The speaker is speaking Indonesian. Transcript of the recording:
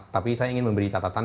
tapi saya ingin memberi catatan